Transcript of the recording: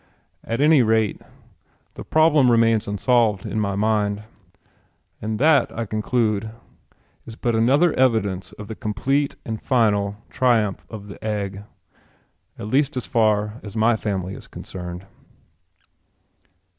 At any rate, the problem remains unsolved in my mind. And that, I conclude, is but another evidence of the complete and final triumph of the egg at least as far as my family is concerned.